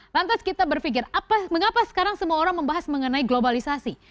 lantas kita berpikir mengapa sekarang semua orang membahas mengenai globalisasi